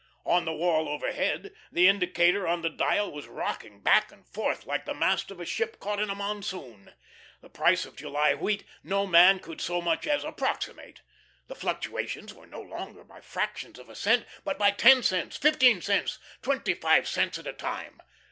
On the wall overhead, the indicator on the dial was rocking back and forth, like the mast of a ship caught in a monsoon. The price of July wheat no man could so much as approximate. The fluctuations were no longer by fractions of a cent, but by ten cents, fifteen cents twenty five cents at a time.